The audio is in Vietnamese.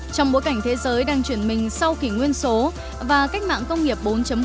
trong bối cảnh thế giới đang chuyển mình sau kỷ nguyên số và cách mạng công nghiệp bốn